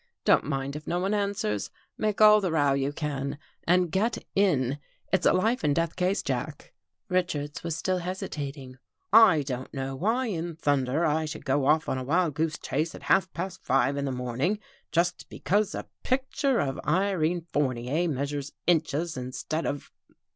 Don't mind if no one answers. Make all the row you can. And get in! It's a life and death case. Jack." Richards was still hesitating. " I don't know why in thunder I should go off on a wild goose chase at half past five in the morning, just because a pic ture of Irene Fournier measures inches instead of